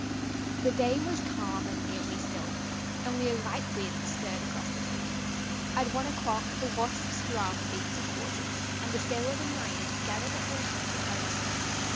The day was calm and nearly still; only a light wind stirred across the sea. At one o'clock the Wasp's drum beat to quarters, and the sailors and marines gathered at their appointed posts.